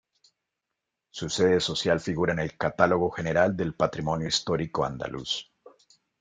Su sede social figura en el Catálogo General del Patrimonio Histórico Andaluz.